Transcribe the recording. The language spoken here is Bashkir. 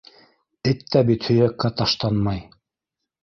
Эт тә бит һөйәккә таштанмай...